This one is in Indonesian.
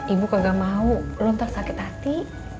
ibu gak mau lontar sakit hati